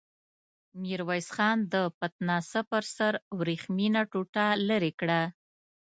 ميرويس خان د پتناسه پر سر ورېښمينه ټوټه ليرې کړه.